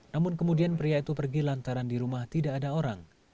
namun kemudian pria itu pergi lantaran di rumah tidak ada orang